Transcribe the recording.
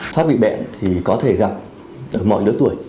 thoát vị bệnh thì có thể gặp ở mọi lứa tuổi